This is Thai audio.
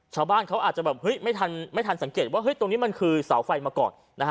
ชาวบ้านเขาอาจจะไม่ทันสังเกตว่าตรงนี้มันคือสาวไฟมาก่อน